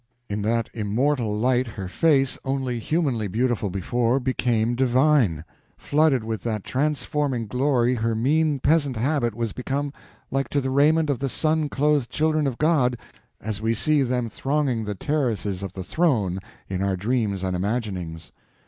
In that immortal light her face, only humanly beautiful before, became divine; flooded with that transforming glory her mean peasant habit was become like to the raiment of the sun clothed children of God as we see them thronging the terraces of the Throne in our dreams and imaginings.